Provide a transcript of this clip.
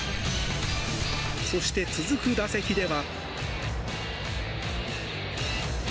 そして続く打席では。